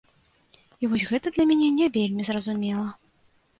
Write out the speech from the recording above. І вось гэта для мяне не вельмі зразумела.